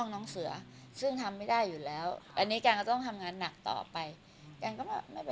วันเกิดพิเศษเจ็ดสิงหาเดี๋ยวเชิญด้วยนะคะจริงปะเนี้ย